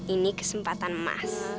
ini kesempatan emas